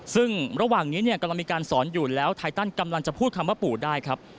ซึ่งระหว่างนี้เนี่ยกำลังมีการสอนอยู่แล้วไทตันกำลังจะพูดคำว่าปู่ได้ครับ